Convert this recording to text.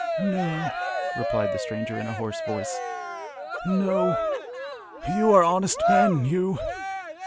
"No," replied the stranger in a hoarse voice; "no! You are honest men, you!